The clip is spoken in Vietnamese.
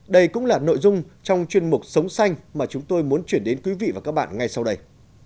đây cũng là nội dung trong chuyên mục sống xanh mà chúng tôi muốn chuyển đến quý vị và các bạn ngay sau đây